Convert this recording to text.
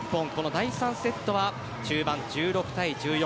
第３セットは中盤、１６対１４。